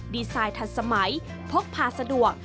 ดีไซน์ทันสมัยพกพาสะดวก